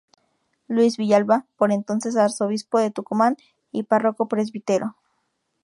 Luis Villalba, por entonces Arzobispo de Tucumán y párroco Pbro.